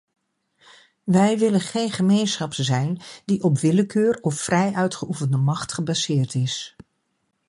Wij willen geen gemeenschap zijn die op willekeur of vrij uitgeoefende macht gebaseerd is.